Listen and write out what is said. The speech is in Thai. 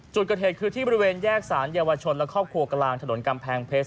จุดเกิดเหตุคือที่บริเวณแยกสารเยาวชนและครอบครัวกลางถนนกำแพงเพชร